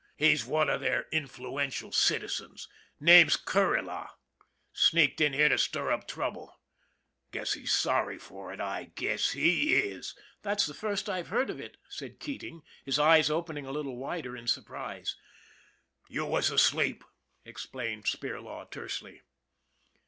He's one of their influential citizens name's Kuryla. Sneaked in here to stir up trouble guess he's sorry for it, I guess he is." " That's the first I've heard of it," said Keating, his eyes opening a little wider in surprise. " You was asleep," explained Spirlaw tersely.